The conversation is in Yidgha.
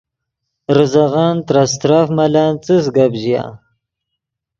ریزغن ترے استرف ملن څس گپ ژیا